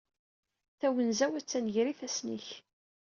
Tawenza-w attan gar ifassen-ik.